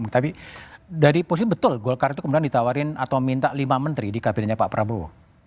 tapi dari posisi betul golkar itu kemudian ditawarin atau minta lima menteri di kabinetnya pak prabowo